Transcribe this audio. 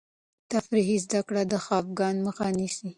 تفریحي زده کړه د خفګان مخه نیسي.